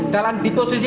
dalam di posisi